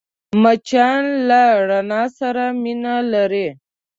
مچان له رڼا سره مینه لري